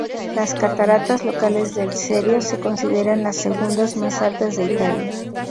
Las cataratas locales del Serio se consideran las segundas más altas de Italia.